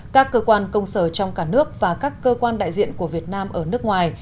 các cơ quan công sở trong cả nước và các cơ quan đại diện của việt nam ở nước ngoài